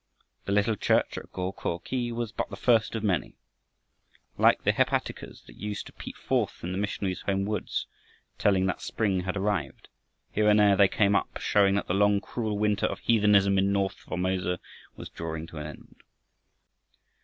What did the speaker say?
The little church at Go ko khi was but the first of many. Like the hepaticas that used to peep forth in the missionary's home woods, telling that spring had arrived, here and there they came up, showing that the long cruel winter of heathenism in north Formosa was drawing to an end.